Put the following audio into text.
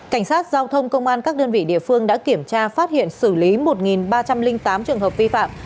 cảnh sát giao thông công an các đơn vị địa phương đã kiểm tra phát hiện xử lý một ba trăm linh tám trường hợp vi phạm